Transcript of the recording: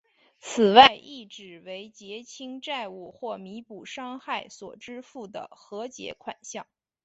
此外亦指为结清债务或弥补伤害所支付的和解款项。